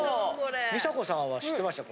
美佐子さんは知ってました？